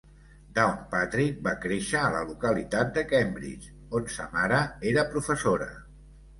Downpatrick va créixer a la localitat de Cambridge, on sa mare era professora.